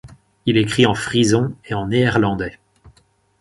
Il écrit en frison et en néerlandais.